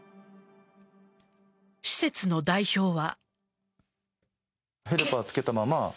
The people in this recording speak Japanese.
施設の代表は。